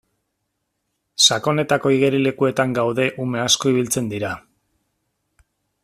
Sakonetako igerilekuetan gaude ume asko ibiltzen dira.